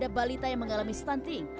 dan ada balita yang mengalami stunting